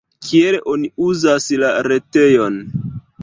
Kiel oni uzas la retejon?